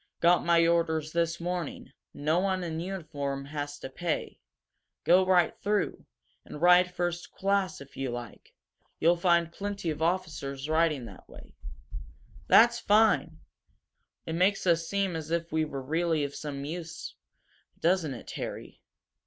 "Got my orders this morning. No one in uniform has to pay. Go right through, and ride first class, if you like. You'll find plenty of officers riding that way." "That's fine!" said Dick. "It makes it seem as if we were really of some use, doesn't it, Harry?"